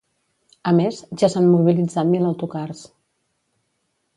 A més, ja s’han mobilitzat mil autocars.